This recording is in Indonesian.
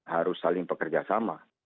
harus saling pekerjasama